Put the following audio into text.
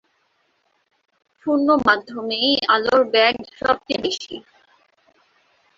শূন্য মাধ্যমেই আলোর বেগ সবচেয়ে বেশি।